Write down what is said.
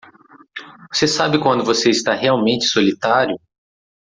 Você sabe quando você está realmente solitário?